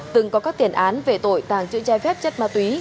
từng có các tiền án về tội tàng trữ trái phép chất ma túy